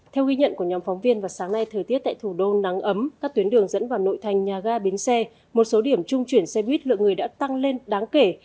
theo ghi nhận của nhóm phóng viên vào sáng nay thời tiết tại thủ đô nắng ấm các tuyến đường dẫn vào nội thành nhà ga bến xe một số điểm trung chuyển xe buýt lượng người đã tăng lên đáng kể